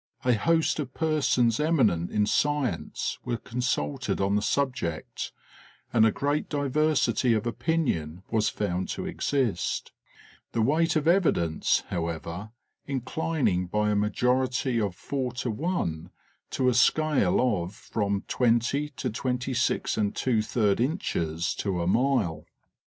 <A host of persons eminent in science were consulted on the subject, and a great diversity of opinion was found to exist, the weight of evidence, however, inclining by a majority of four to one, to a seale of from 20 to 26% inches to a mile.